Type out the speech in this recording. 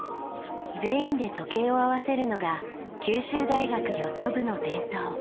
全員で時計を合わせるのが九州大学ヨット部の伝統。